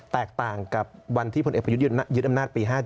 แตกต่างกับวันที่พลเอกประยุทธ์ยึดอำนาจปี๕๗